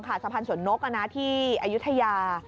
สะพานสวนนกที่อายุทยา